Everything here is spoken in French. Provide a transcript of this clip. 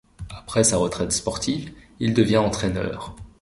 Après sa retraite sportive il devient entraîneur.